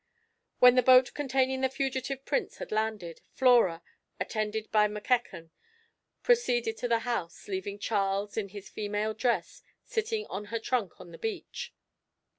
When the boat containing the fugitive Prince had landed, Flora, attended by Mackechan, proceeded to the house, leaving Charles, in his female dress, sitting on her trunk on the beach.